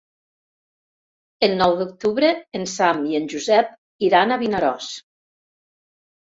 El nou d'octubre en Sam i en Josep iran a Vinaròs.